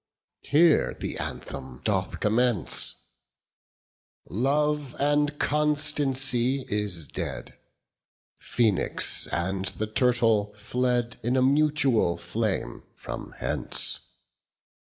20 Here the anthem doth commence:— Love and constancy is dead; Phoenix and the turtle fled In a mutual flame from hence.